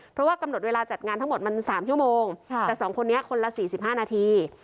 เพราะว่ากำหนดเวลาจัดงานทั้งหมดมัน๓ชั่วโมงแต่๒คนนี้คนละ๔๕นาที